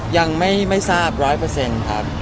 ยังไม่ทราบร้อยครับ